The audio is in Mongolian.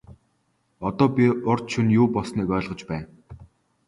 Одоо би урьд шөнө юу болсныг ойлгож байна.